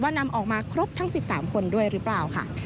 ว่านำออกมาในเวลาทั้ง๑๓คนด้วยรึเปล่าค่ะ